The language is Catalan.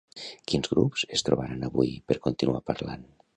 Quins grups es trobaran avui per continuar parlant?